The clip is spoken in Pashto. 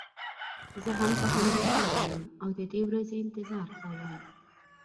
زه هم په همدې هیله یم او د دې ورځې انتظار کوم.